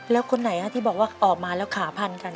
แล้วคนไหนที่บอกว่าออกมาแล้วขาพันกัน